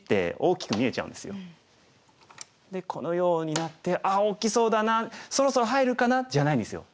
でこのようになって「あっ大きそうだな。そろそろ入るかな」じゃないんですよ。